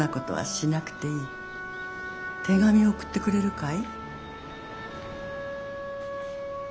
手紙を送ってくれるかい？」。